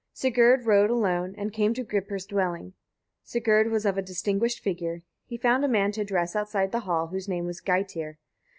Sigurd rode alone, and came to Gripir's dwelling. Sigurd was of a distinguished figure. He found a man to address outside the hall, whose name was Geitir.